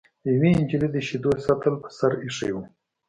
یوې نجلۍ د شیدو سطل په سر ایښی و.